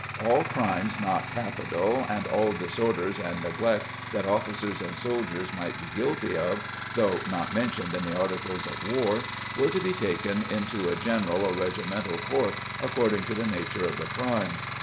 All crimes not capital and all disorders and neglect that officers and soldiers might be guilty of, though not mentioned in the Articles of war, were to be taken into a general or regimental court according to the nature of the crime.